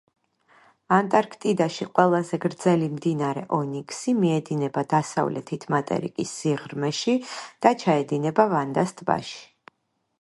ანტარქტიდაში ყველაზე გრძელი მდინარე ონიქსი მიედინება დასავლეთით მატერიკის სიღრმეში და ჩაედინება ვანდას ტბაში.